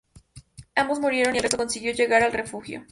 Ambos murieron y el resto consiguió llegar al refugio.